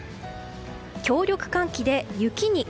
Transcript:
強力寒気で雪に。